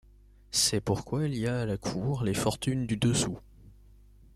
C’est pourquoi il y a à la cour les fortunes du dessous.